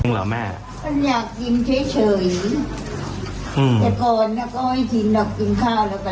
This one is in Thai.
เหรอแม่มันอยากกินเฉยเฉยอืมแต่ก่อนเนี้ยก็ให้กินหรอกกินข้าวแล้วกัน